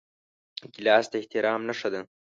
ګیلاس د احترام نښه ده.